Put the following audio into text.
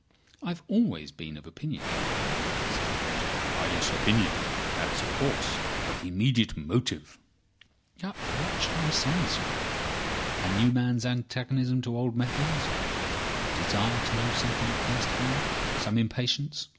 "I have been always of opinion," began the Assistant Commissioner. "Ah. Yes! Opinion. That's of course. But the immediate motive?" "What shall I say, Sir Ethelred? A new man's antagonism to old methods. A desire to know something at first hand. Some impatience.